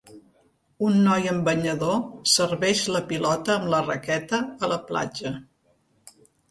Un noi amb banyador serveix la pilota amb la raqueta a la platja.